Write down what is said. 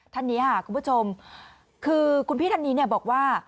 ท่านนี้ค่ะคุณผู้ชมคือคุณพี่ท่านนี้เนี่ยบอกว่า